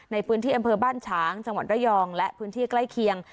ในพื้นที่อำเภอบ้านฉางจังหวัดระยองและพื้นที่ใกล้เคียง